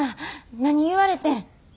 何言われてん？